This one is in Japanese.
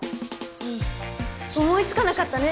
うん思いつかなかったね